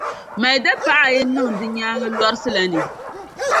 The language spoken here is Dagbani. mali dapaɣa ayi niŋ di nyaaŋa lɔrisi la ni.